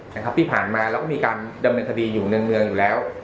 นะครับที่ผ่านมาแล้วก็มีการดำเนินคดีอยู่ในเมืองอยู่แล้ว